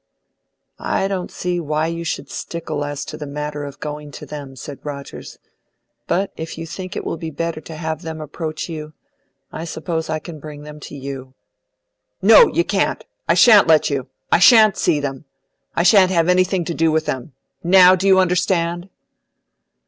"I don't see why you should stickle as to the matter of going to them," said Rogers; "but if you think it will be better to have them approach you, I suppose I can bring them to you." "No, you can't! I shan't let you! I shan't see them! I shan't have anything to do with them. NOW do you understand?"